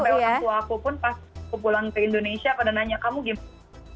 sampai orang tua aku pun pas aku pulang ke indonesia pada nanya kamu gimana